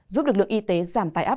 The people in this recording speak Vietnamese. giúp lực lượng y tế giảm tài áp